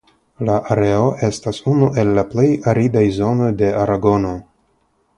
La areo estas unu el la plej aridaj zonoj de Aragono.